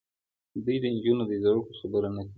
دوی د نجونو د زدهکړو خبره نه کوي.